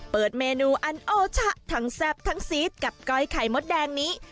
เปิดเมนูอันโอชะทั้งแซ่บทั้งซีสกับก้อยไข่มดแดงนี้